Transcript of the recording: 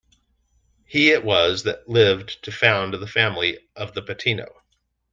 He it was that lived to found the family of the Patino.